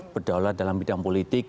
berdaulat dalam bidang politik